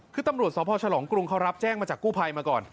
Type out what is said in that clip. คือตำรวจสพฉลองกรุงเขารับแจ้งมาจากกู้ภัยมาก่อน